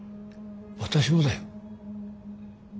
私もだよ。